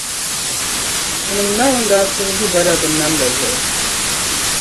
Tinim’ Naawuni daa tibgi bala binnamda zuɣu.